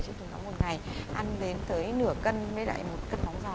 chứ không có một ngày ăn đến tới nửa cân với lại một cân móng giò